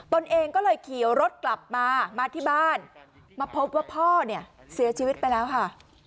ตนเองก็เลยขี่รถกลับมามาที่บ้านมาพบว่าพ่อเนี่ยเสียชีวิตไปแล้วค่ะ